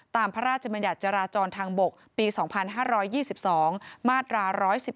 พระราชบัญญัติจราจรทางบกปี๒๕๒๒มาตรา๑๑๒